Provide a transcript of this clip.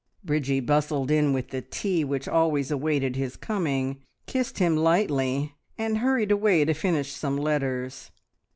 Bridgie bustled in with the tea which always awaited his coming, kissed him lightly, and hurried away to finish some letters.